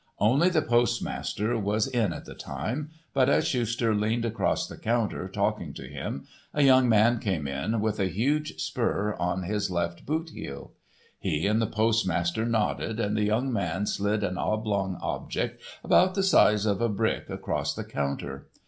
Only the postmaster was in at that time, but as Schuster leaned across the counter, talking to him, a young man came in, with a huge spur on his left boot heel. He and the postmaster nodded, and the young man slid an oblong object about the size of a brick across the counter.